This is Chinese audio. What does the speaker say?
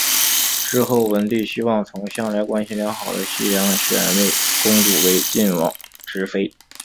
之后文帝希望从向来关系良好的西梁选位公主为晋王之妃。